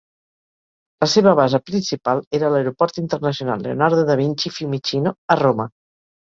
La seva base principal era l'aeroport internacional Leonardo da Vinci-Fiumicino, a Roma.